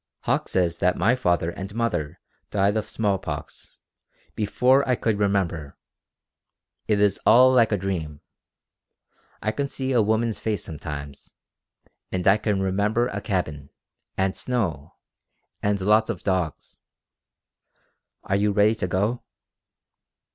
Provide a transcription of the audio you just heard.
Hauck says that my father and mother died of small pox, before I could remember. It is all like a dream. I can see a woman's face sometimes, and I can remember a cabin, and snow, and lots of dogs. Are you ready to go?"